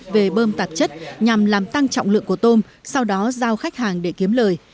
về bơm tạp chất nhằm làm tăng trọng lượng của tôm sau đó giao khách hàng để kiếm lời